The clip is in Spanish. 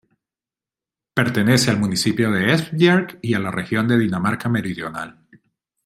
Pertenece al municipio de Esbjerg y a la región de Dinamarca Meridional.